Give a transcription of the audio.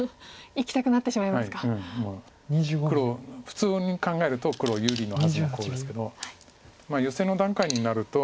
普通に考えると黒有利のはずのコウですけどヨセの段階になると。